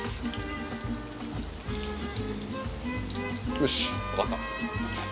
よし分かった。